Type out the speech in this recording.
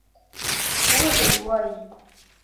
وزۍ وايي